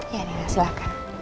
ya nenek silahkan